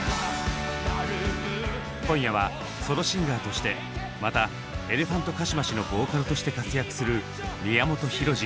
今夜はソロシンガーとしてまたエレファントカシマシのボーカルとして活躍する宮本浩次。